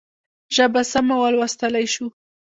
ژبه سمه ولوستلای شو.